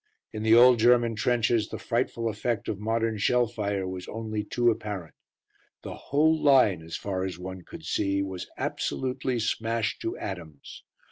In the old German trenches the frightful effect of modern shell fire was only too apparent. The whole line, as far as one could see, was absolutely smashed to atoms.